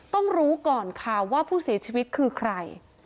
ต้องรู้ก่อนค่ะว่าผู้เสียชีวิตคือใคร